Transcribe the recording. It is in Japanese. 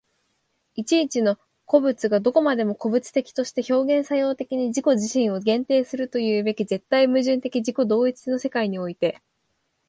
一々の個物がどこまでも個物的として表現作用的に自己自身を限定するというべき絶対矛盾的自己同一の世界において、